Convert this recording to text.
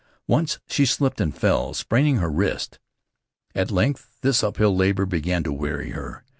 Once she slipped and fell, spraining her wrist. At length this uphill labor began to weary her.